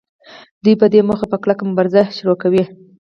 دوی په دې موخه په کلکه مبارزه پیلوي